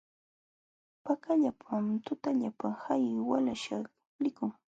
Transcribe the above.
Pakallapam tutallapa hay walaśhkaq likun.